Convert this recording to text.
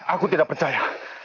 aku tidak percaya